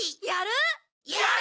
やる？